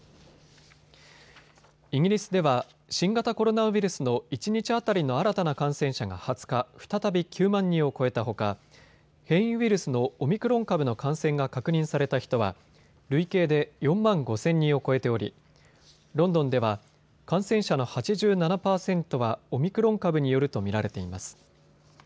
イギリスでは新型コロナウイルスの一日当たりの新たな感染者が２０日、再び９万人を超えたほか変異ウイルスのオミクロン株の感染が確認された人は累計で４万５０００人を超えておりロンドンでは感染者の８７％はオミクロン株によると見られています。